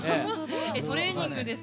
トレーニングです。